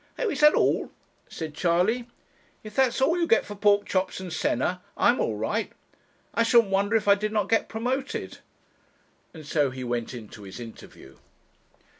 'Oh! is that all?' said Charley. 'If that's all you get for pork chops and senna, I'm all right. I shouldn't wonder if I did not get promoted;' and so he went in to his interview.